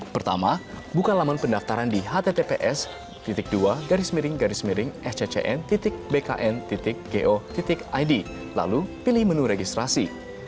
pertama buka laman pendaftaran di https dua sccn bkn go id lalu pilih menu registrasi